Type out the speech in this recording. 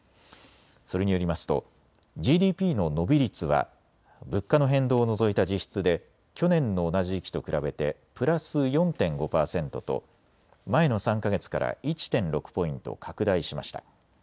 それによりますとＧＤＰの伸び率は物価の変動を除いた実質で去年の同じ時期と比べてプラス４．５％と前の３か月から１．６ポイント拡大しました。